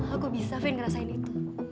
aku bisa fan ngerasain itu